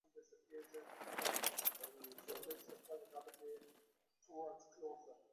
কারণ দুর্বল অরাজনৈতিক স্কুল শিক্ষার্থীদের ওপর হামলার বিচার আদৌ হবে কিনা।